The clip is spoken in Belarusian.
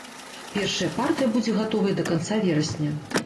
Першая партыя будзе гатовая да канца верасня.